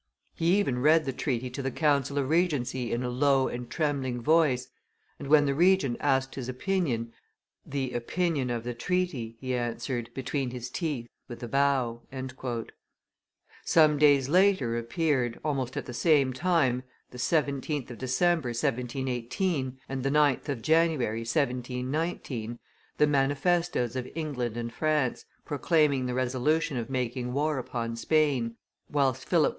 He even read the treaty to the council of regency in a low and trembling voice, and when the Regent asked his opinion, 'the opinion of the treaty,' he answered, between his teeth, with a bow." Some days later appeared, almost at the same time the 17th of December, 1718, and the 9th of January, 1719 the manifestoes of England and France, proclaiming the resolution of making war upon Spain, whilst Philip V.